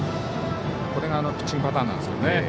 これが、ピッチングパターンなんですけどね。